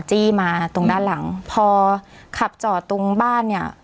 จี้มาตรงด้านหลังพอขับจอดตรงบ้านเนี่ย